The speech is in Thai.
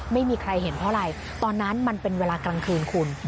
ไม่มีใครเห็นเพราะอะไรตอนนั้นมันเป็นเวลากลางคืนคุณ